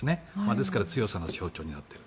ですから強さの象徴になっている。